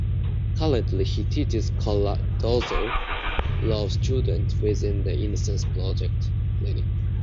Currently he teaches Cardozo law students within the Innocence Project clinic.